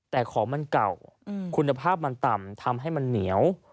แต่ของมันเก่าคุณภาพมันต่ำทำให้มันเหนียว